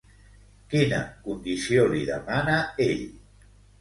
Quina condició li demana ell?